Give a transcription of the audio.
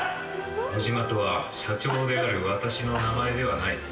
ノジマとは社長である私の名前ではない。